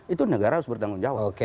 itu negara harus bertanggung jawab